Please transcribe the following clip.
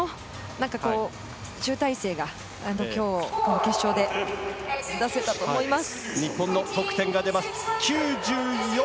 集大成が今日、決勝で出せたと思います。